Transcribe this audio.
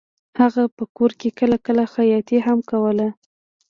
هغه په کور کې کله کله خیاطي هم کوله